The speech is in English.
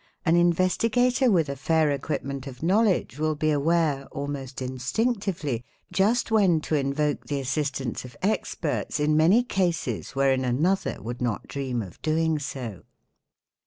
An investigator with a fair equipment of knowledge will be aware, almost instinctively, just when to invoke the assistance of experts in many cases wherein another would not dream of doing so.